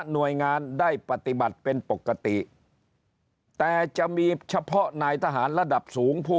หน่วยงานได้ปฏิบัติเป็นปกติแต่จะมีเฉพาะนายทหารระดับสูงผู้